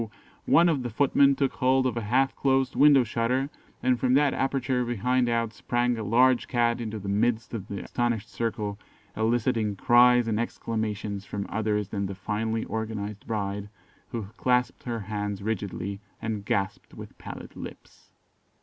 one of the footmen took hold of a half closed window shutter, and from the aperture behind out sprang a large cat into the midst of the astonished circle, eliciting cries and exclamations from others than the finely organised bride, who clasped her hands rigidly, and gasped with pallid lips.